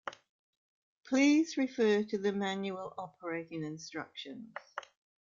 Please refer to the manual operating instructions